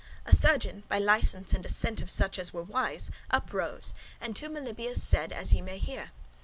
A surgeon, by licence and assent of such as were wise, up rose, and to Melibœus said as ye may hear.